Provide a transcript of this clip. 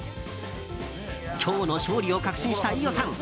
今日の勝利を確信した飯尾さん。